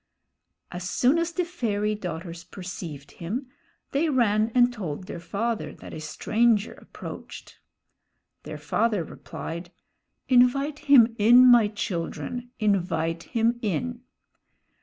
As soon as the fairy daughters perceived him, they ran and told their father that a stranger approached. Their father replied, "Invite him in, my children, invite him in."